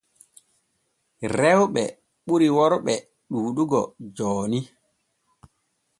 Rewɓe ɓuri worɓe ɗuuɗugo jooni.